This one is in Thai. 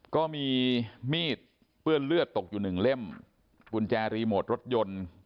ก็มีมีดเปื้อนเลือดตกอยู่หนึ่งเล่มกุญแจรีโมทรถยนต์